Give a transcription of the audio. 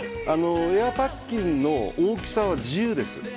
エアパッキンの大きさは自由です。